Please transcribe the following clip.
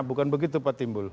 bukan begitu pak timbul